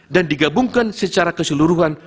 dan digabungkan secara keseluruhan